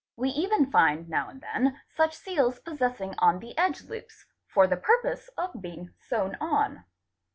We even find now and then such seals possessing on _ the edge loops, for the purpose of being sewn on.